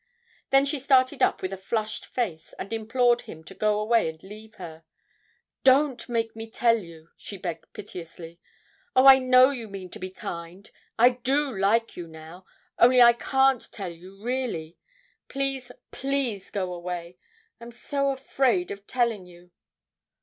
Then she started up with a flushed face and implored him to go away and leave her. 'Don't make me tell you!' she begged piteously. 'Oh, I know you mean to be kind, I do like you now only I can't tell you, really. Please, please go away I'm so afraid of telling you.'